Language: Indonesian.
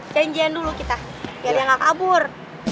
janjian dulu kita biar yang gak kabur